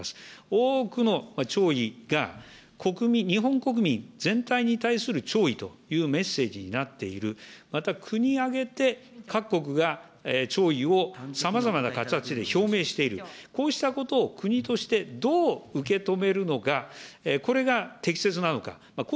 多くの弔意が日本国民全体に対する弔意というメッセージになっている、また国挙げて、各国が弔意をさまざまな形で表明している、こうしたことを国としてどう受け止めるのがこれが適切なのか、こ